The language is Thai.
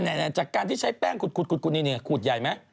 ในจากการที่ใช้แป้งกุดเนี่ยนี่ไงขูดใหญ่นะ